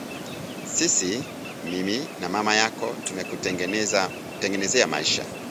Sisi–mimi na mama yako, tumekutengenezea maisha